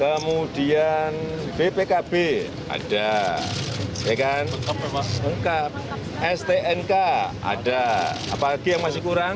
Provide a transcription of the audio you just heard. kemudian bpkb ada stnk ada apa lagi yang masih kurang